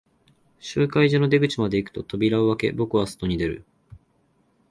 集会所の出口まで行くと、扉を開け、僕は外に出る。